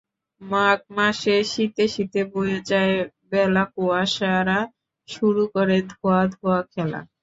মাঘ মাসে শীতে শীতে বয়ে যায় বেলাকুয়াশারা শুরু করে ধোঁয়া ধোঁয়া খেলা।